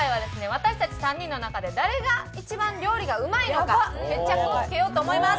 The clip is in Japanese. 私たち３人の中で誰が一番料理がうまいのか決着をつけようと思います！